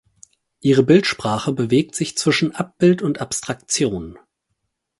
Ihre Bildsprache bewegt sich zwischen Abbild und Abstraktion.